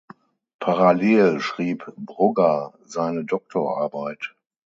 Parallel schrieb Brugger seine Doktorarbeit.